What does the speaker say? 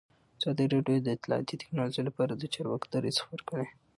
ازادي راډیو د اطلاعاتی تکنالوژي لپاره د چارواکو دریځ خپور کړی.